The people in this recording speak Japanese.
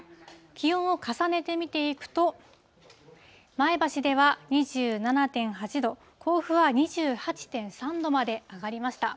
気温を重ねて見ていくと、前橋では２７．８度、甲府は２８．３度まで上がりました。